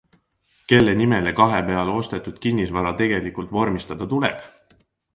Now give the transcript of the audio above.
Kelle nimele kahepeale ostetud kinnisvara tegelikult vormistada tuleb?